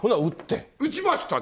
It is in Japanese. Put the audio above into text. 打ちましたよ。